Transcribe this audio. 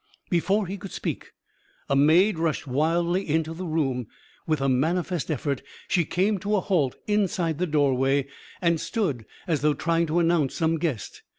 Before he could speak a maid rushed wildly into the room. With a manifest effort, she came to a halt inside the doorway and stood as though trying to announce some guest.